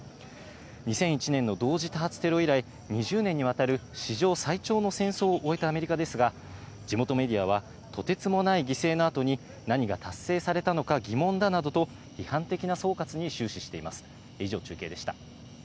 ２００１年の同時多発テロ以来、２０年にわたる史上最長の戦争を終えたアメリカですが、地元メディアは、とてつもない犠牲の後に何が達成されたのか疑問だなどと批判的な総括に終始しています。